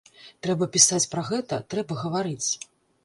Трэба пісаць пра гэта, трэба гаварыць.